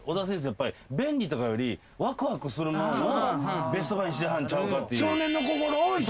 やっぱり便利とかよりワクワクする物をベストバイにしはるんちゃうかっていう。